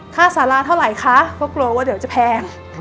ค่าสาราเท่าไหร่คะก็กลัวว่าเดี๋ยวจะแพง